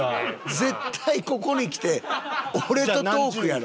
絶対ここに来て俺とトークやろ。